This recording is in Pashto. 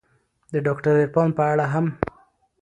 د داکتر عرفان په اړه هم